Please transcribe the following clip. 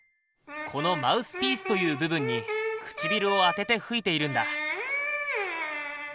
このマウスピースという部分に唇を当てて吹いているんだ。